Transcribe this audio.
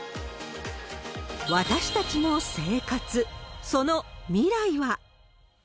私たちの生活、その未来は。